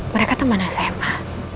mereka teman sma